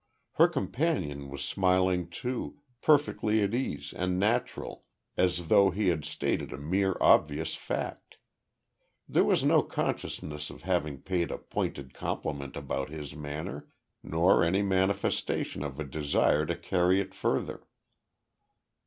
Her companion was smiling too, perfectly at ease and natural, as though he had stated a mere obvious fact. There was no consciousness of having paid a pointed compliment about his manner, nor any manifestation of a desire to carry it further.